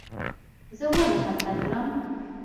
زه ولې هلته تلم.